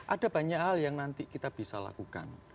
ada banyak hal yang nanti kita bisa lakukan